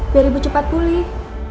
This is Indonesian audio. biar ibu cepat pulih